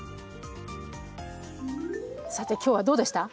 さて今日はどうでした？